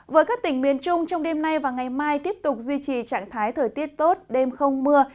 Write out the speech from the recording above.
với các tỉnh miền trung trong đêm nay và ngày mai tiếp tục duy trì trạng thái thời tiết tốt đêm không mưa